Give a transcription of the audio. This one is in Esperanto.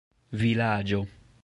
vilaĝo